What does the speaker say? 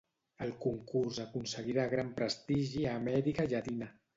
El Concurs aconseguirà gran prestigi a Amèrica Llatina.